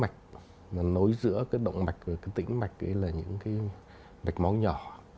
các tỉnh mạch nối giữa động mạch và tỉnh mạch là những mạch máu nhỏ